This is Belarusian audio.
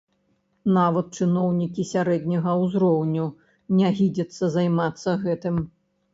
Нават чыноўнікі сярэдняга ўзроўню не гідзяцца займацца гэтым.